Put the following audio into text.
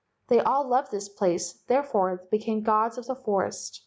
They all loved this place, therefore they became gods of the forest.